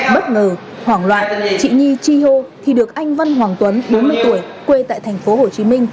bất ngờ hoảng loạn chị nhi chi hô thì được anh văn hoàng tuấn bốn mươi tuổi quê tại thành phố hồ chí minh